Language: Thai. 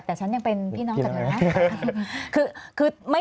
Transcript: แต่ฉันยังเป็นพี่น้องจากนั้น